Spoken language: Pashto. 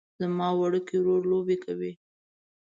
زما وړوکی ورور لوبې کوي